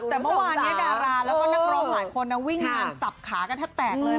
แต่เมื่อวานนี้ดาราแล้วก็นักร้องหลายคนวิ่งงานสับขากันแทบแตกเลย